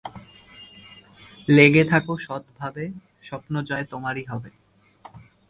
এই বাক্যটি পরবর্তীতে বিতর্কিতভাবে রাষ্ট্রপতি মোশাররফ তার কর্মক্ষমতা ব্যাখ্যা না করে "সংকট ব্যবস্থাপনা" দিয়ে প্রতিস্থাপন করেছিলেন।